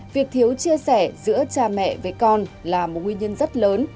việc thiếu chia sẻ giữa cha mẹ với con là một nguyên nhân rất lớn